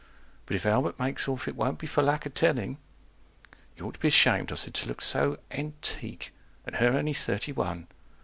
But if Albert makes off, it won't be for lack of telling. 155 You ought to be ashamed, I said, to look so antique. (And her only thirty one.)